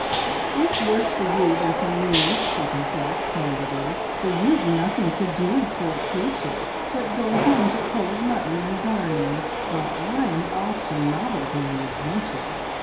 "It's worse for you than for me," she confessed candidly, "for you've nothing to do, poor creature! But go home to cold mutton and darning, while I'm off to novelty and adventure.